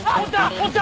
おった？